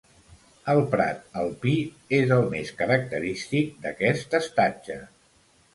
El prat alpí és el més característic d'aquest estatge.